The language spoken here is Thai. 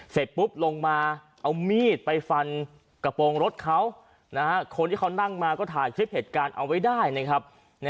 เสร็จปุ๊บลงมาเอามีดไปฟันกระโปรงรถเขาคนที่เขานั่งมาก็ถ่ายคลิปเหตุการณ์เอาไว้ได้นะครับ